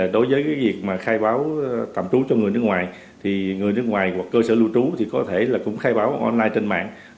đối với việc khai báo tạm trú cho người nước ngoài người nước ngoài hoặc cơ sở lưu trú có thể cũng khai báo online trên mạng